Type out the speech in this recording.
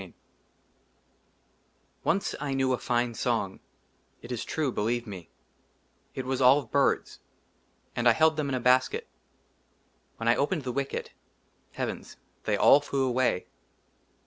LXV ONCE, I KNEW A FINE SONG, IT IS TRUE, BELIEVE ME, IT WAS ALL OF BIRDS, AND I HELD THEM IN A BASKET ; WHEN I OPENED THE WICKET, HEAVENS ! THEY ALL FLEW AWAY.